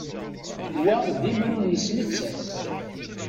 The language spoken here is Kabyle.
Wa d imru-nnes nettat.